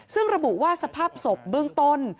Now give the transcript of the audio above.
ซึ่งระบุว่าสภาพศพเบื้องต้น